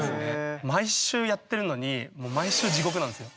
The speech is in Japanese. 毎週やってるのに毎週地獄なんですよ。